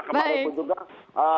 kembali pun juga